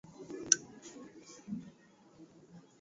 Ongeza vitunguu swaumu kisha nyanya